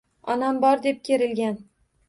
Onam bor deb kerilgan